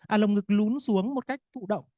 à lồng ngực lún xuống một cách thụ động